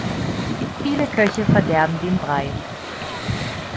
Viele Köche verderben den Brei.